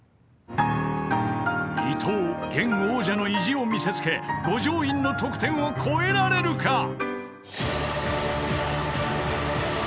［伊藤現王者の意地を見せつけ五条院の得点を超えられるか］